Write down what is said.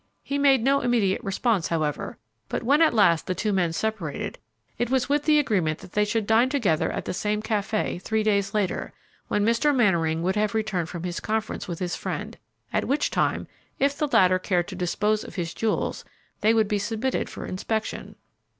He made no immediate response, however, but when at last the two men separated, it was with the agreement that they should dine together at the same café three days later, when Mr. Mannering would have returned from his conference with his friend, at which time, if the latter cared to dispose of his jewels, they would be submitted for inspection.